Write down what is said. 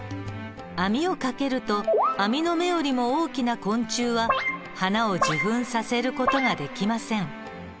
網をかけると網の目よりも大きな昆虫は花を受粉させる事ができません。